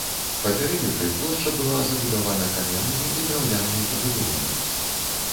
Па перыметры плошча была забудавана каменнымі і драўлянымі пабудовамі.